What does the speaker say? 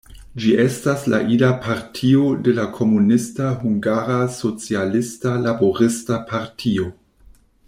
Ĝi estas la ida partio de la komunista Hungara Socialista Laborista Partio.